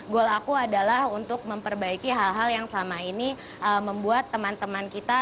goal aku adalah untuk memperbaiki hal hal yang selama ini membuat teman teman kita